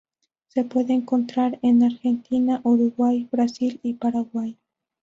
Se puede encontrar en Argentina, Uruguay, Brasil y Paraguay.